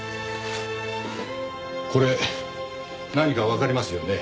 これ何かわかりますよね？